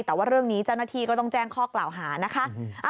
แต่ว่าเรื่องนี้เจ้าหน้าที่ก็ต้องแจ้งข้อกล่าวหานะคะ